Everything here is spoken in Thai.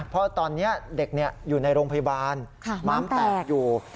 เพราะตอนนี้เด็กอยู่ในโรงพยาบาลม้ามแตกอยู่